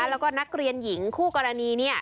แล้วก็นักเรียนหญิงคู่กรณีเนี่ย